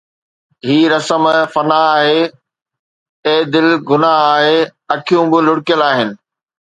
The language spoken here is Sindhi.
هي رسم فنا آهي، اي دل گناهه آهي، اکيون به لڙڪيل آهن